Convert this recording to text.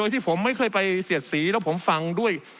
ชี้แจ้งแล้วคนที่ผมไม่เคยไปเสียดสีแล้วผมฟังด้วย